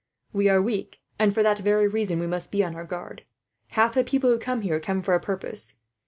We are weak, and for that very reason we must be on our guard. Half the people who come here come for a purpose.